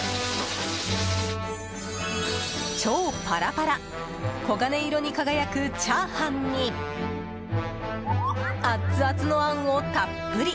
超パラパラ黄金色に輝くチャーハンにアツアツのあんをたっぷり！